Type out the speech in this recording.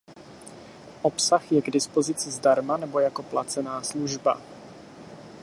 Obsah je k dispozici zdarma nebo jako placená služba.